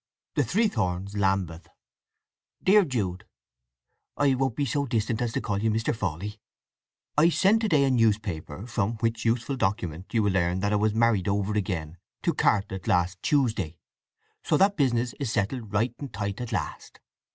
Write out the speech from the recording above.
THE THREE HORNS, LAMBETH. DEAR JUDE (I won't be so distant as to call you Mr. Fawley),—I send to day a newspaper, from which useful document you will learn that I was married over again to Cartlett last Tuesday. So that business is settled right and tight at last.